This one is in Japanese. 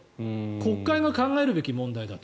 国会が考えるべき問題だと。